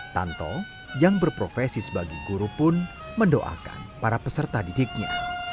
tanto yang berprofesi sebagai guru pun mendoakan para peserta didiknya